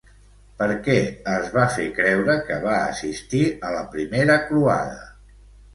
Per què es va fer creure que va assistir a la Primera Croada?